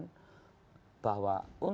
tuh siaram dan perkembang paris